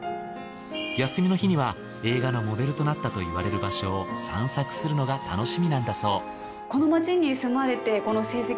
休みの日には映画のモデルとなったといわれる場所を散策するのが楽しみなんだそう。